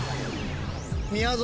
みやぞ